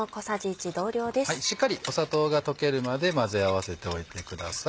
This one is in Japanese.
しっかり砂糖が溶けるまで混ぜ合わせておいてください。